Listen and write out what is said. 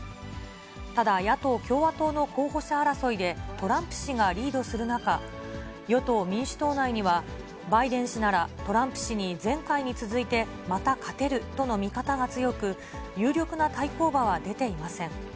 ただ、野党・共和党の候補者争いで、トランプ氏がリードする中、与党・民主党内には、バイデン氏ならトランプ氏に前回に続いて、また勝てるとの見方が強く、有力な対抗馬は出ていません。